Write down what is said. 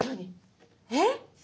えっ？